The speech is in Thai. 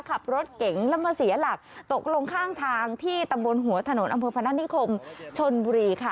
ขับรถเก๋งแล้วมาเสียหลักตกลงข้างทางที่ตำบลหัวถนนอำเภอพนักนิคมชนบุรีค่ะ